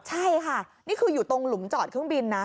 ใช่ค่ะนี่คืออยู่ตรงหลุมจอดเครื่องบินนะ